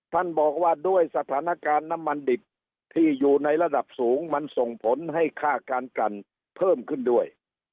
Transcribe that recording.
ท่านบอกว่าด้วยสถานการณ์น้ำมันดิบที่อยู่ในระดับสูงมันส่งผลให้ค่าการกันเพิ่มขึ้นด้วย